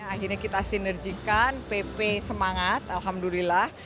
akhirnya kita sinerjikan pp semangat alhamdulillah